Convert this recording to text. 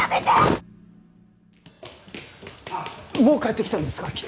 もう帰ってきたんですか？